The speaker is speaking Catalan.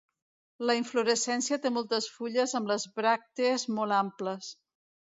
La inflorescència té moltes fulles amb les bràctees molt amples.